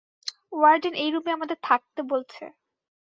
Warden এই রুমে আমাদের থাকতে বলছে।